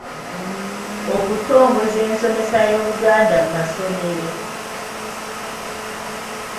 Okutongoza ensomesa y’Oluganda mu masomero